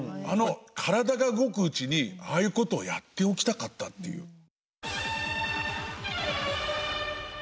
あの体が動くうちにああいうことをやっておきたかったっていう。